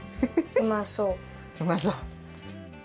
うまそう。